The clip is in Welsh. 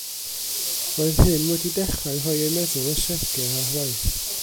Roedd hyn wedi dechrau rhoi ei meddwl segur ar waith.